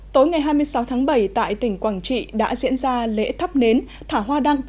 tối ngày hai mươi sáu tháng bảy tại tỉnh quảng trị đã diễn ra lễ thắp nến thả hoa đăng